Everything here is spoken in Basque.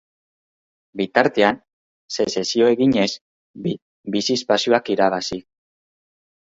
Bitartean, sezesio eginez, bizi-espazioak irabazi.